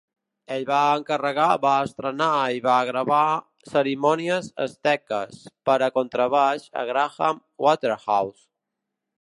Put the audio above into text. Ell va encarregar, va estrenar i va gravar "Cerimònies asteques" per a contrabaix a Graham Waterhouse.